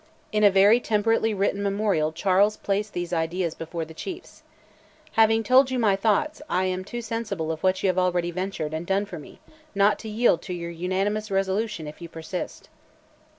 In a very temperately written memorial Charles placed these ideas before the chiefs. "Having told you my thoughts, I am too sensible of what you have already ventured and done for me, not to yield to your unanimous resolution if you persist."